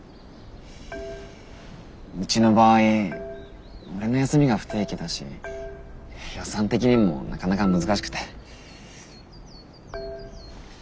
うちの場合俺の休みが不定期だし予算的にもなかなか難しくて。